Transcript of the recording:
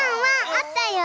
あったよ。